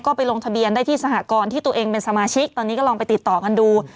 ก็ไปลงทะเบียนได้ที่สหกรณ์ที่ตัวเองเป็นสมาชิกตอนนี้ก็ลองไปติดต่อกันดู